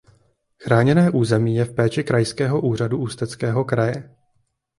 Chráněné území je v péči Krajského úřadu Ústeckého kraje.